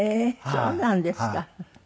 そうなんですか。